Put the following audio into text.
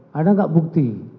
ada gak bukti